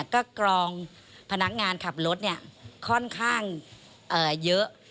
ก็กรองพนักงานขับรถค่อนข้างเยอะ